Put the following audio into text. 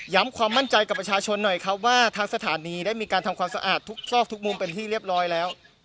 ความมั่นใจกับประชาชนหน่อยครับว่าทางสถานีได้มีการทำความสะอาดทุกซอกทุกมุมเป็นที่เรียบร้อยแล้ว